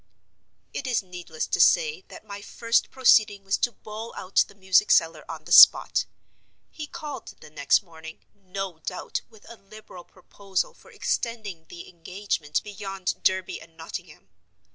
It is needless to say that my first proceeding was to bowl out the music seller on the spot. He called the next morning, no doubt with a liberal proposal for extending the engagement beyond Derby and Nottingham.